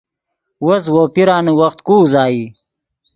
وس وو پیرانے وخت کو اوازئی